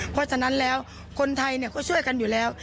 เพราะฉะนั้นแล้วคนไทยก็ช่วยกันอยู่แล้ว